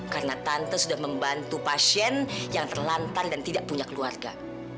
karena tante sudah membantu pasien yang terlantar dan tidak punya keluarga